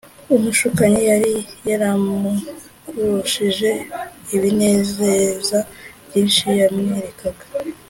umushukanyi yari yaramukururishije ibinezeza byinshi yamwerekaga;